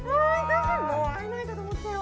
もう会えないかと思ったよ。